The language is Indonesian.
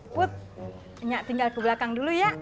mpud nya tinggal ke belakang dulu ya